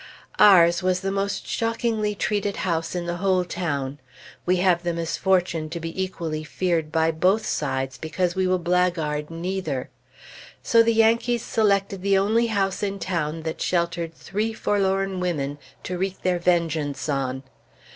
Ours was the most shockingly treated house in the whole town. We have the misfortune to be equally feared by both sides, because we will blackguard neither. So the Yankees selected the only house in town that sheltered three forlorn women, to wreak their vengeance on.